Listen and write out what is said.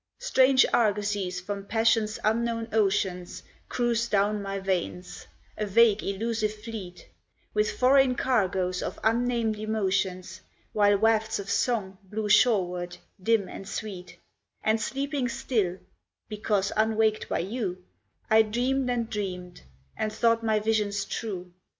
Strange argosies from passion's unknown oceans Cruised down my veins, a vague elusive fleet, With foreign cargoes of unnamed emotions, While wafts of song blew shoreward, dim and sweet, And sleeping still (because unwaked by you) I dreamed and dreamed, and thought my visions true.